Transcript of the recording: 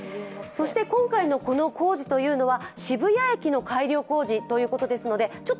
今回のこの工事というのは渋谷駅の改良工事ということですのでちょっと